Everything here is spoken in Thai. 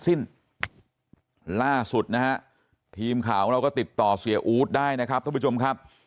สิ้นล่าสุดนะฮะทีมข่าวของเราก็ติดต่อเสียอู๊ดได้นะครับท่านผู้ชมครับ